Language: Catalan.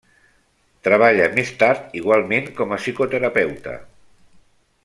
Treballa més tard igualment com a psicoterapeuta.